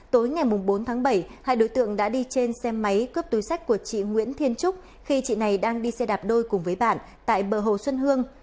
tối ngày bốn tháng bảy hai đối tượng đã đi trên xe máy cướp túi sách của chị nguyễn thiên trúc khi chị này đang đi xe đạp đôi cùng với bạn tại bờ hồ xuân hương